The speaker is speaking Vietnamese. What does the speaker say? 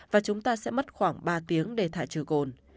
và chúng ta sẽ mất khoảng ba tiếng để thải trừ cồn